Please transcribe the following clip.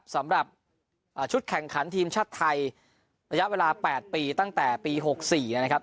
สำหรับชุดแข่งขันทีมชาติไทยระยะเวลา๘ปีตั้งแต่ปี๖๔นะครับ